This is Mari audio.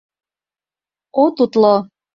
От утло.